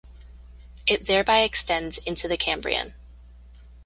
It thereby extends into the Cambrian.